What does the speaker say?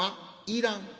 『いらん』。